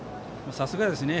さすがですね。